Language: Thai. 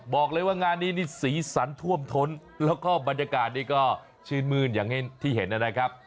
บอกเลยว่างานนี้นี่สีสันท่วมท้นแล้วก็บรรยากาศนี้ก็ชื่นมื้นอย่างที่เห็นนะครับ